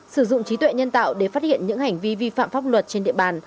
sử dụng trí tuệ nhân tạo để phát hiện những hành vi vi phạm pháp luật trên địa bàn